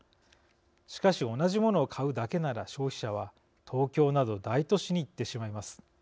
しかし同じものを買うだけなら消費者は東京など大都市に行ってしまいます。